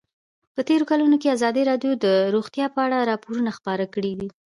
په تېرو کلونو کې ازادي راډیو د روغتیا په اړه راپورونه خپاره کړي دي.